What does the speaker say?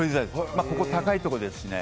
ここ高いところですね。